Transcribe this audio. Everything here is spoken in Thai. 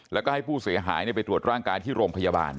แล้วก็ให้ผู้เสียหายไปตรวจร่างกายที่โรงพยาบาล